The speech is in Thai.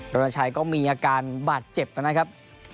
รณชัยก็มีอาการบาดเจ็บนะครับ